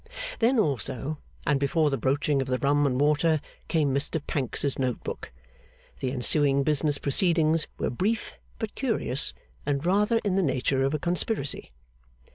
Then also, and before the broaching of the rum and water, came Mr Pancks's note book. The ensuing business proceedings were brief but curious, and rather in the nature of a conspiracy.